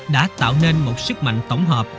đã tạo nên một sức mạnh tổng hợp